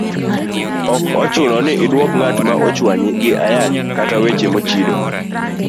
Ok ochuno ni idwok ng'at ma ochwanyi gi ayany kata weche mochido,